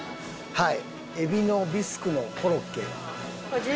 はい。